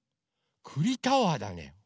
くりタワーだね。